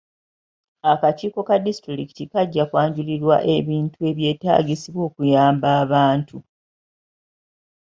Akakiiko ka disitulikiti kajja kwanjulirwa ebintu ebyetaagisibwa okuyamba abantu.